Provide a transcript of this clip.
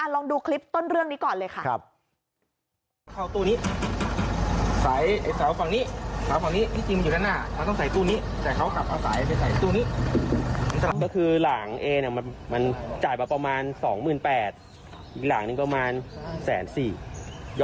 ลองดูคลิปต้นเรื่องนี้ก่อนเลยค่ะ